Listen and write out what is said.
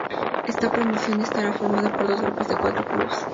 Esta promoción estará formada por dos grupos de cuatro clubes.